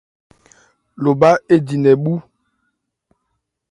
Lobha édi nkɛ bhú.